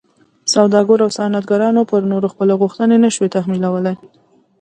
سوداګرو او صنعتکارانو پر نورو خپلې غوښتنې نه شوای تحمیلولی.